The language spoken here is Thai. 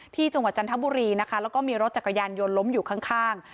จังหวัดจันทบุรีนะคะแล้วก็มีรถจักรยานยนต์ล้มอยู่ข้าง